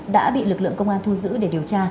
đã bị lực lượng công an thu giữ để điều tra